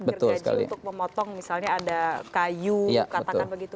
gergaji untuk memotong misalnya ada kayu katakan begitu